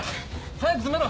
早く詰めろ！